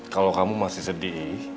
kalo kamu masih sedih